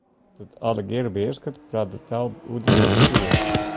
Wa’t dat allegear behearsket, praat de taal hoe dan ek floeiend.